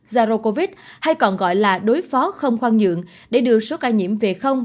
zaro covid hay còn gọi là đối phó không khoan nhượng để đưa số ca nhiễm về không